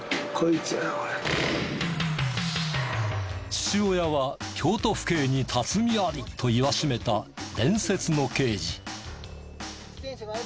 父親は「京都府警に辰己あり」と言わしめた伝説の刑事。